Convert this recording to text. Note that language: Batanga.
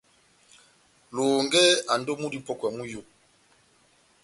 Lohongɛ andi ó múdi mupɔ́kwɛ mú iyó.